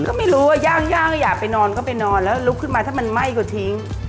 ก็ไม่รู้ว่าย่างอยากไปนอนก็ไปนอนแล้วลุกขึ้นมาถ้ามันไหม้ก็ทิ้ง